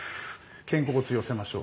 肩甲骨寄せましょう。